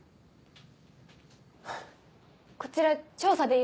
こちら調査でいらした。